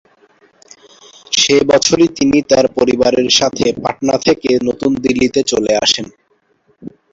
সে বছরই তিনি তার পরিবারের সাথে পাটনা থেকে নতুন দিল্লিতে চলে আসেন।